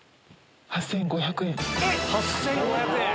８５００円。